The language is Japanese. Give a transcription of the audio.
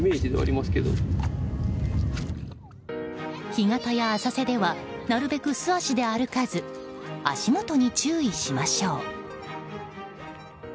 干潟や浅瀬ではなるべく素足で歩かず足元に注意しましょう。